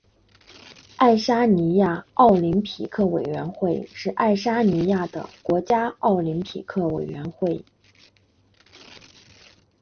爱沙尼亚奥林匹克委员会是爱沙尼亚的国家奥林匹克委员会。